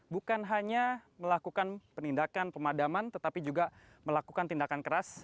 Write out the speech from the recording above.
bukan hanya melakukan penindakan pemadaman tetapi juga melakukan tindakan keras